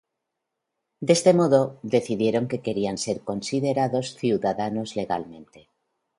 De este modo, decidieron que querían ser considerados ciudadanos legalmente.